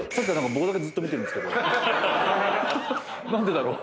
何でだろう？